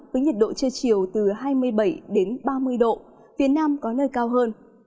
với nhiệt độ trưa chiều từ hai mươi bảy đến ba mươi độ phía nam có nơi cao hơn